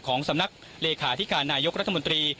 ของสำนักเลขาธิการนายกรัฐมนตรี